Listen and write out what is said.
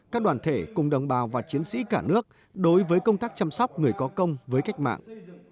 các đoàn thể cùng đồng bào và chiến sĩ cả nước đối với công tác chăm sóc người có công với cách mạng